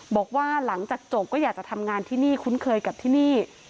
บอกว่าหลังจากจบก็อยากจะทำงานที่นี่คุ้นเคยกับที่นี่